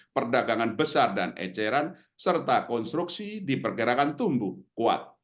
perdagangan besar dan eceran serta konstruksi diperkirakan tumbuh kuat